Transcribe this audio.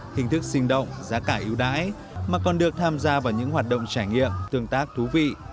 hình thức sinh động giá cả yếu đái mà còn được tham gia vào những hoạt động trải nghiệm tương tác thú vị